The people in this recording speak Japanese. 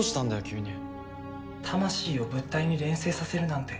急に「魂を物体に錬成させるなんて」